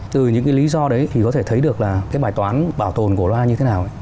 từ những cái lý do đấy thì có thể thấy được là cái bài toán bảo tồn cổ loa như thế nào